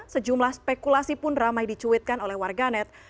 sejumlah spekulasi pun ramai dicuitkan oleh warganet